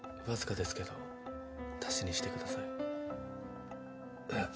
わずかですけど足しにしてください。